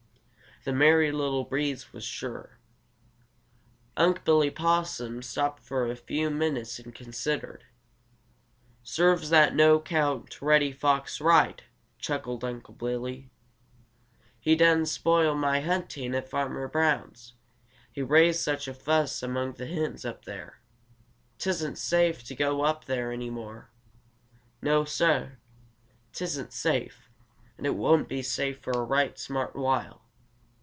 The Merry Little Breeze was sure. Unc' Billy Possum stopped for a few minutes and considered. "Serves that no 'count Reddy Fox right," chuckled Unc' Billy. "He done spoil mah hunting at Farmer Brown's, he raised such a fuss among the hens up there. 'Tisn't safe to go there any mo'! No, Suh, 'tisn't safe, and it won't be safe for a right smart while.